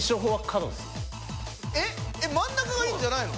えっ真ん中がいいんじゃないの？